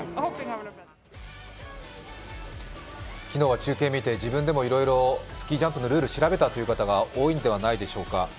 昨日は中継見て、自分でもいろいろスキージャンプのルールを調べたという方、多いのではないでしょうか。